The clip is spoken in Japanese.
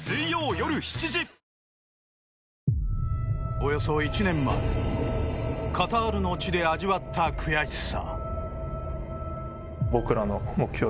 およそ１年前カタールの地で味わった悔しさ。